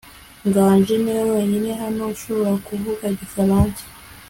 nganji niwe wenyine hano ushobora kuvuga igifaransa